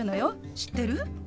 知ってる？